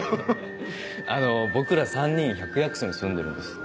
あの僕ら３人百薬荘に住んでるんです。